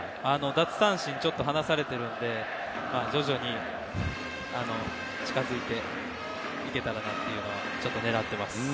奪三振ちょっと離されているので徐々に近づいていけたらなというのはちょっと狙っています。